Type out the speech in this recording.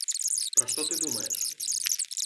Пра што ты думаеш?